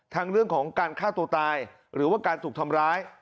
เรื่องของการฆ่าตัวตายหรือว่าการถูกทำร้าย